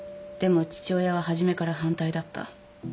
でも父親は初めから反対だった。